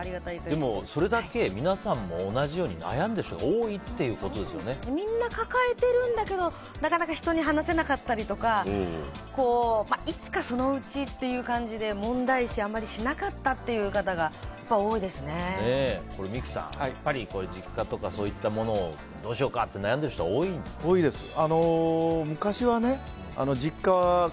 でも、それだけ皆さんも同じように悩んでいる人がみんな抱えてるんだけどなかなか人に話せなかったりとかいつかそのうちっていう感じで問題視をあまりしなかった人が三木さん、やっぱり実家とかそういったものをどうしようかと悩んでいる人は多いですか。